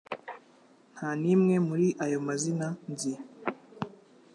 Nta n'imwe muri ayo mazina nzi